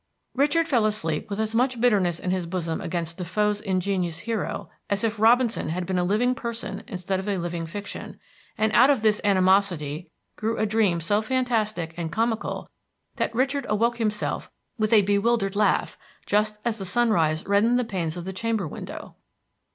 Richard fell asleep with as much bitterness in his bosom against DeFoe's ingenious hero as if Robinson had been a living person instead of a living fiction, and out of this animosity grew a dream so fantastic and comical that Richard awoke himself with a bewildered laugh just as the sunrise reddened the panes of the chamber window.